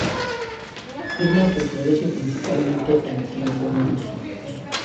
Se afirma que florece principalmente en tiempo nuboso.